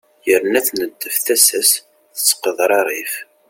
yerna tneddef tasa-s tettqeḍririf